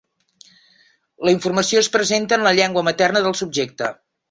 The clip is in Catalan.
La informació es presenta en la llengua materna del subjecte.